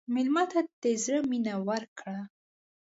مېلمه ته د زړه مینه ورکړه.